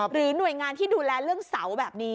หรือหน่วยงานที่ดูแลเรื่องเสาแบบนี้